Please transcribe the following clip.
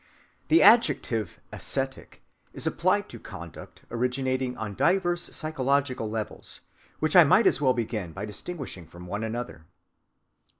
The adjective "ascetic" is applied to conduct originating on diverse psychological levels, which I might as well begin by distinguishing from one another.